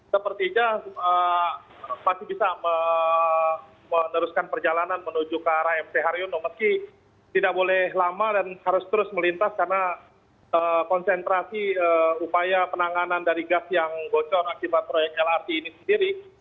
sepertinya masih bisa meneruskan perjalanan menuju ke arah mc haryono meski tidak boleh lama dan harus terus melintas karena konsentrasi upaya penanganan dari gas yang bocor akibat proyek lrt ini sendiri